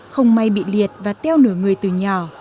không may bị liệt và teo nửa người từ nhỏ